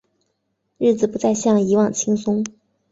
日子不再像以往轻松